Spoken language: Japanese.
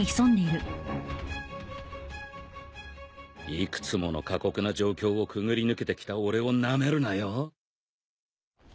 いくつもの過酷な状況をくぐり抜けてきた俺をなめるなよ。